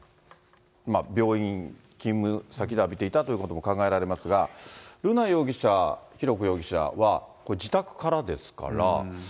病院、勤務先で浴びていたということも考えられますが、瑠奈容疑者、浩子容疑者はこれ、自宅からですから。